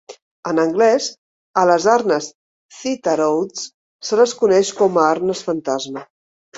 En anglès, a les arnes Thitarodes se les coneix com a "arnes fantasma".